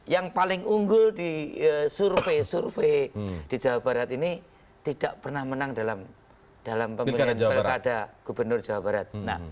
yang paling unggul di survei survei di jawa barat ini tidak pernah menang dalam pemilihan pilkada gubernur jawa barat